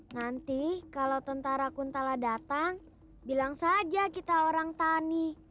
nanti kalau tentara kuntala datang bilang saja kita orang tani